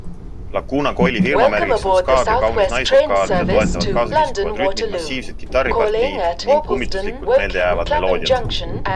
Lacuna Coili firmamärgiks on Scabbia kaunis naisvokaal, mida toetavad kaasakiskuvad rütmid, massiivsed kitarripartiid ning kummituslikult meeldejäävad meloodiad.